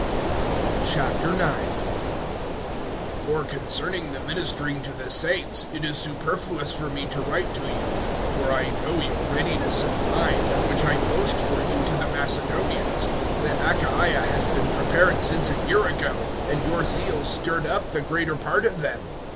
IX. FOR concerning the ministering to the saints, it is superfluous for me to write to you. (2)For I know your readiness of mind, of which I boast for you to the Macedonians, that Achaia has been prepared since a year ago; and your zeal stirred up the greater part of them.